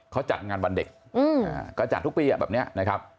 เขาจัดงานวันเด็กก็จัดทุกปีแบบนี้นะครับ